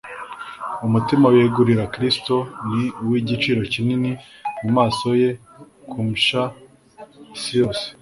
Umutima wiyeguriye Kristo ni uw'igiciro kinini mu maso ye kumsha isi yose.